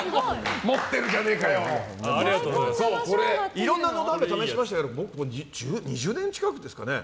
いろいろなのどあめを試しましたけど僕、これ２０年近くですかね